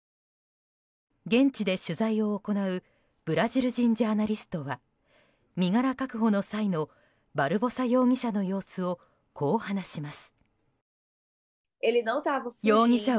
現地で取材を行うブラジル人ジャーナリストは身柄確保の際のバルボサ容疑者の様子をこう話します。